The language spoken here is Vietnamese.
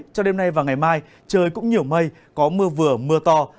cho đêm nay và ngày mai trời cũng nhiều mây có mưa vừa mưa to